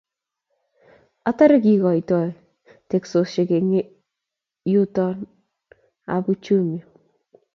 Atare, kikotoit teksosiek eng etunot ab uchumi